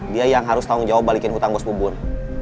dia yang harus tanggung jawab balikin hutang bos bubur